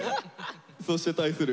そして対する。